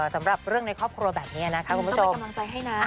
สำหรับเรื่องในครอบครัวแบบนี้นะครับคุณผู้ชม